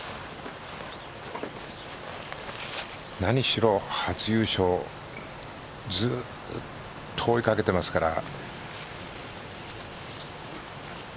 何しろ初優勝ずっと追いかけてますから。